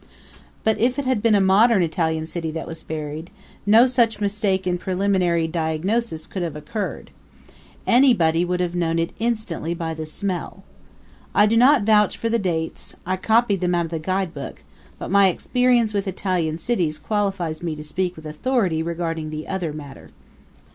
But if it had been a modern Italian city that was buried, no such mistake in preliminary diagnosis could have occurred. Anybody would have known it instantly by the smell. I do not vouch for the dates I copied them out of the guidebook; but my experience with Italian cities qualifies me to speak with authority regarding the other matter.